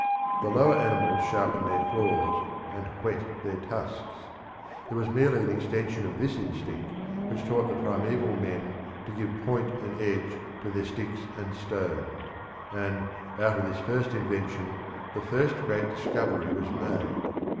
The lower animals sharpen their claws and whet their tusks. It was merely an extension of this instinct which taught the primeval men to give point and edge to their sticks and stones; and out of this first invention the first great discovery was made.